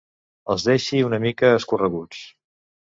Els deixi una mica escorreguts.